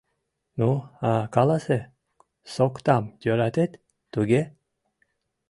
Ну, а каласе: соктам йӧратет, туге?